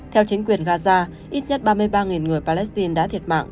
theo chính quyền gaza ít nhất ba mươi ba người palestine đã thiệt mạng